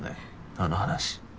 あの話。